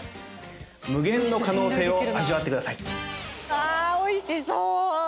あおいしそう！